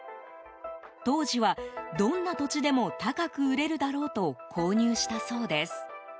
当時は、どんな土地でも高く売れるだろうと購入したそうです。